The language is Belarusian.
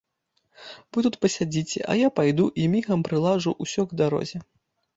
Вы тут пасядзіце, а я пайду і мігам прыладжу ўсё к дарозе.